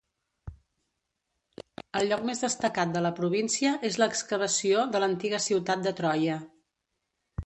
El lloc més destacat de la província és l'excavació de l'antiga ciutat de Troia.